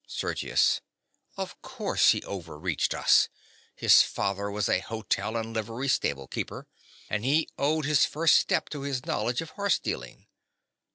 SERGIUS. Of course he over reached us. His father was a hotel and livery stable keeper; and he owed his first step to his knowledge of horse dealing.